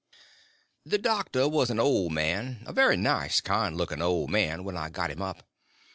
The doctor was an old man; a very nice, kind looking old man when I got him up.